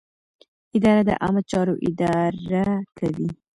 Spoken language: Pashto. اداره د عامه چارو اداره کوي.